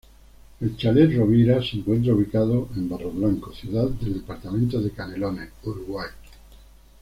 El Chalet Rovira se encuentra ubicado Barros Blancos, ciudad del departamento de Canelones, Uruguay.